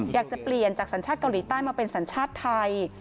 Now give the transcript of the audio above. อยากจะเปลี่ยนจากสัญชาติเกาหลีใต้มาเป็นสัญชาติไทย